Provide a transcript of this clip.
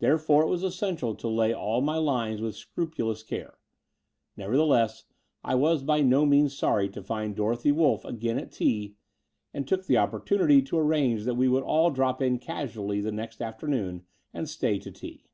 Therefore, it was essential to lay all my lines with scrupulous care; Nevertheless, I was by no means sorry to find Dorothy Wolff again at tea, and took the oppor tunity to arrange that we would all drop in casually the following afternoon and stay to tea.